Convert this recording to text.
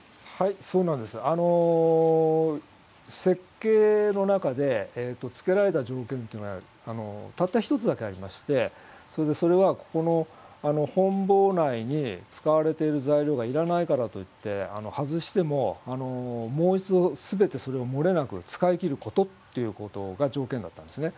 設計の中で付けられた条件というのがたった一つだけありましてそれでそれはここの本坊内に使われている材料がいらないからといって外してももう一度全てそれを漏れなく使いきることっていうことが条件だったんですね。